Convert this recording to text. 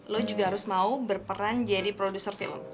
lo juga harus mau berperan jadi produser film